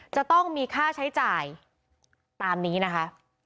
จะต้องมีค่าใช้จ่ายตามนี้นะคะ